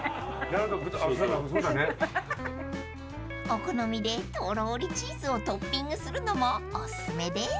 ［お好みでとろりチーズをトッピングするのもおすすめです］